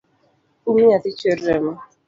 Um nyathi chuer remo